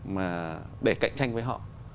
mà để cạnh tranh với họ